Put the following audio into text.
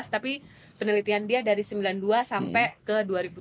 tapi penelitian dia dari sembilan puluh dua sampai ke dua ribu dua puluh